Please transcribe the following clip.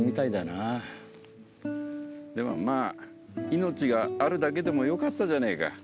でもまあ命があるだけでもよかったじゃねえか。